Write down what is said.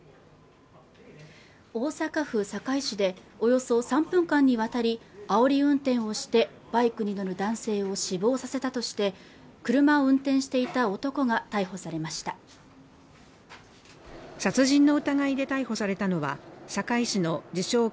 大阪府堺市でおよそ３分間にわたりあおり運転をしてバイクに乗る男性を死亡させたとして車を運転していた男が逮捕されました殺人の疑いで逮捕されたのは堺市の自称